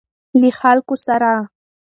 له خلکو سره.